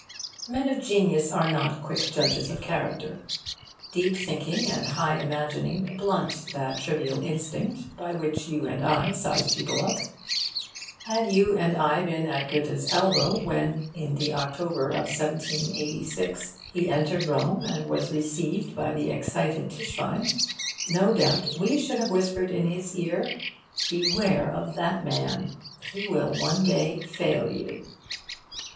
Men of genius are not quick judges of character. Deep thinking and high imagining blunt that trivial instinct by which you and I size people up. Had you and I been at Goethe's elbow when, in the October of 1786, he entered Rome and was received by the excited Tischbein, no doubt we should have whispered in his ear, 'Beware of that man! He will one day fail you.